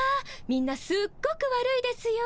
みんなすっごくわるいですよ。